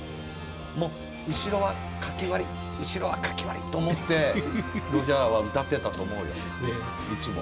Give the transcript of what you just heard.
「もう後ろは書き割り後ろは書き割り」と思ってロジャーは歌ってたと思うよいつも。